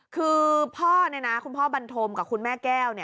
คือพ่อเนี่ยนะคุณพ่อบรรโธมกับคุณแม่แก้ว